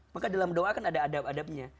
maka dalam doa kan ada adab adabnya